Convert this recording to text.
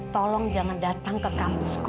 tolong jangan datang ke kampusku